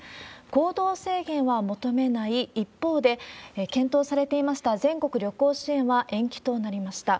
行動制限は求めない一方で、検討されていました全国旅行支援は延期となりました。